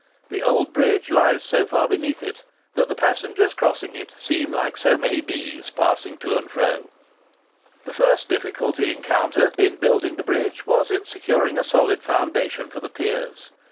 The old bridge lies so far beneath that the passengers crossing it seem like so many bees passing to and fro. The first difficulty encountered in building the bridge was in securing a solid foundation for the piers.